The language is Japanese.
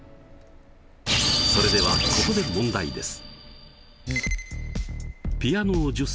それではここで問題です。